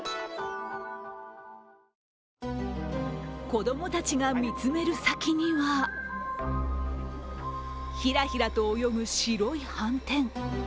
子供たちが見つめる先にはヒラヒラと泳ぐ白い斑点。